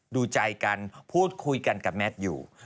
ดูใจกันพูดคุยกันกับแมทอยู่